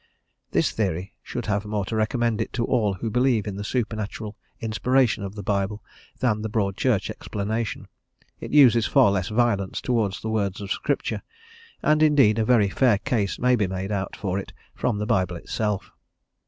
This theory should have more to recommend it to all who believe in the supernatural inspiration of the Bible, than the Broad Church explanation; it uses far less violence towards the words of Scripture, and, indeed, a very fair case may be made out for it from the Bible itself.